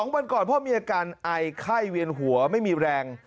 วันก่อนพ่อมีอาการไอไข้เวียนหัวไม่มีแรง